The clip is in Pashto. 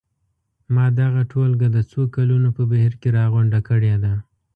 ما دغه ټولګه د څو کلونو په بهیر کې راغونډه کړې ده.